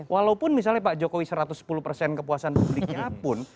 walaupun misalnya pak jokowi satu ratus sepuluh persen kepuasan publiknya pun